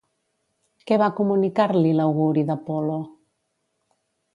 Què va comunicar-li l'auguri d'Apol·lo?